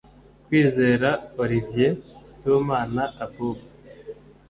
Kwizera Olivier; Sibomana Abuba